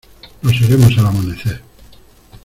nos iremos al amanecer.